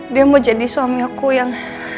dia mau jadi suami aku yang